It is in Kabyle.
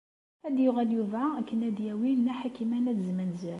Ad d-yuɣal Yuba akken ad yawi Nna Ḥakima n At Zmenzer.